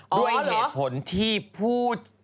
อ๋อเหรอด้วยเหตุผลที่ผู้